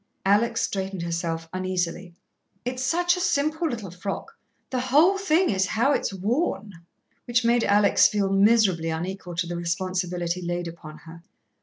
Alex straightened herself uneasily. "It's such a simple little frock, the whole thing is how it's worn...." Which made Alex feel miserably unequal to the responsibility laid upon her.